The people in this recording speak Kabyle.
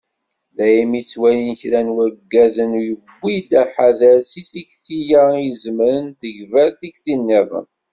Daymi i ttwalin kra n waggagen, yewwi-d aḥader seg tikti-a i izemren tegber tikti-nniḍen.